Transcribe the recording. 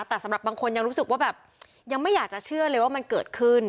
แต่สำหรับบางคนยังรู้สึกว่าแบบยังไม่อยากจะเชื่อเลยว่ามันเกิดขึ้น